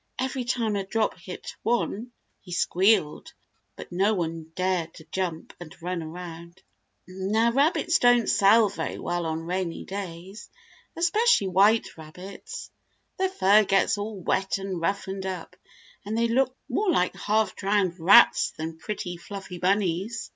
Every time a drop hit one, he squealed, but no one dared to jump and run around. Now rabbits don't sell very well on rainy days, especially white rabbits. Their fur gets all wet and roughened up, and they look more like half drowned rats than pretty, fluffy bunnies.